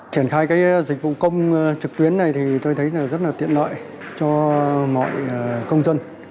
triển khai cái dịch vụ công trực tuyến này thì tôi thấy rất là tiện lợi cho mọi công dân